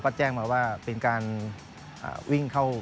โยงวิ่ง